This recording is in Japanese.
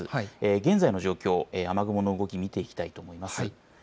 現在の状況、雨雲の動きを見ていきたいと思います。